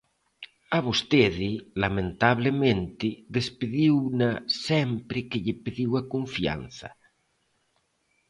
A vostede, lamentablemente, despediuna sempre que lle pediu a confianza.